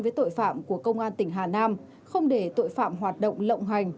với tội phạm của công an tỉnh hà nam không để tội phạm hoạt động lộng hành